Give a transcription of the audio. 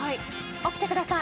起きてください。